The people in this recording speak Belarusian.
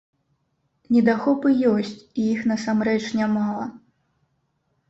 Недахопы ёсць, і іх насамрэч нямала.